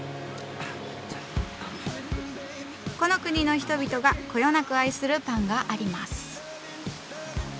この国の人々がこよなく愛するパンがあります。